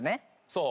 そう。